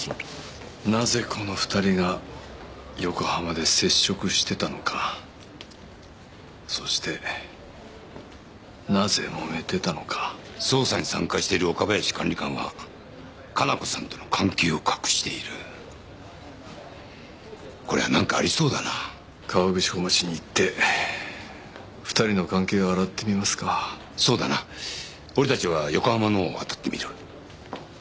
なぜこの２人が横浜で接触してたのかそしてなぜもめてたのか捜査に参加してる岡林管理官は加奈子さんとの関係を隠しているこりゃ何かありそうだな河口湖町に行って２人の関係を洗ってみますかそうだな俺たちは横浜のほうを当たってみる